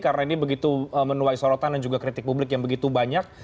karena ini begitu menuai sorotan dan juga kritik publik yang begitu banyak